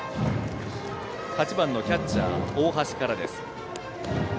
８番キャッチャー、大橋からです。